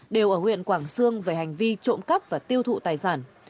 đều ở huyện quảng sương về hành vi trộm cắp và tiêu thụ tài sản